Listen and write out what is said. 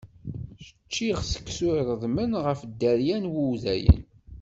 Čččiɣ seksu iṛedmen ɣef dderya n wudayen.